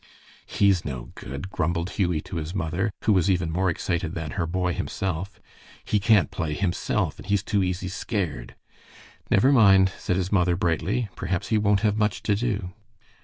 "He's no good," grumbled Hughie to his mother, who was even more excited than her boy himself. "He can't play himself, and he's too easy scared." "Never mind," said his mother, brightly; "perhaps he won't have much to do."